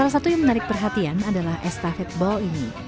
salah satu yang menarik perhatian adalah estafet ball ini